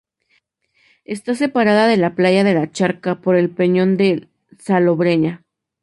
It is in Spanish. Está separada de la playa de la Charca por el peñón de Salobreña.